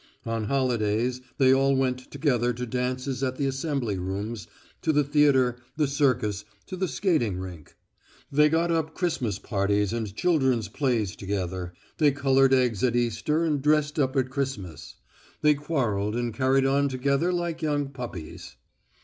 On holidays they all went together to dances at the Assembly Rooms, to the theatre, the circus, to the skating rink. They got up Christmas parties and children's plays together; they coloured eggs at Easter and dressed up at Christmas. They quarrelled and carried on together like young puppies.